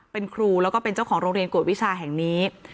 เป็นครูแล้วก็เป็นเจ้าของโรงเรียนกวดวิชาแห่งนี้